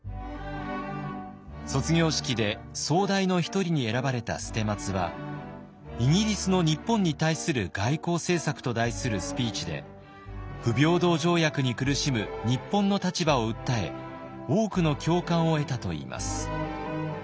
卒業式で総代の一人に選ばれた捨松は「イギリスの日本に対する外交政策」と題するスピーチで不平等条約に苦しむ日本の立場を訴え多くの共感を得たといいます。